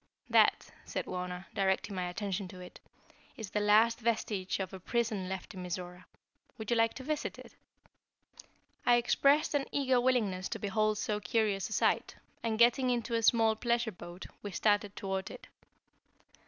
"That," said Wauna, directing my attention to it, "is the last vestige of a prison left in Mizora. Would you like to visit it?" I expressed an eager willingness to behold so curious a sight, and getting into a small pleasure boat, we started toward it.